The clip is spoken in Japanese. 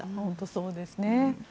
本当にそうですね。